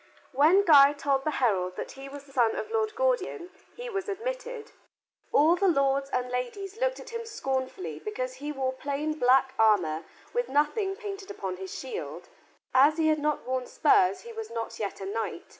When Guy told the herald that he was the son of Lord Gordian he was admitted. All the lords and ladies looked at him scornfully because he wore plain black armor with nothing painted upon his shield. As he had not worn spurs, he was not yet a knight.